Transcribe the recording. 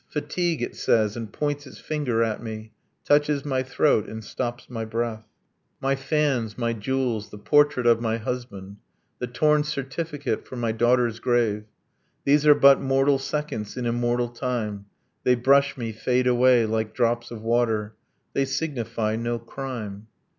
Fatigue! it says, and points its finger at me; Touches my throat and stops my breath. My fans my jewels the portrait of my husband The torn certificate for my daughter's grave These are but mortal seconds in immortal time. They brush me, fade away: like drops of water. They signify no crime.